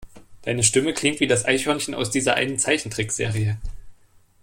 Deine Stimme klingt wie das Eichhörnchen aus dieser einen Zeichentrickserie.